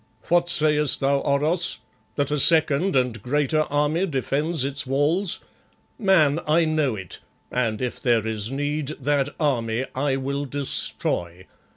What sayest thou, Oros? That a second and greater army defends its walls? Man, I know it, and if there is need, that army I will destroy.